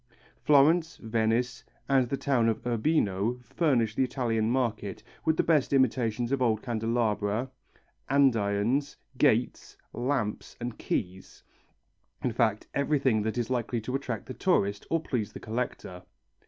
Florence, Venice, and the town of Urbino furnish the Italian market with the best imitations of old candelabra, andirons, gates, lamps, and keys; in fact everything that is likely to attract the tourist or please the collector.